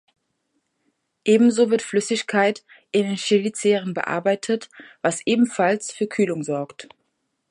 Ebenso wird Flüssigkeit in den Cheliceren bearbeitet, was ebenfalls für Kühlung sorgt.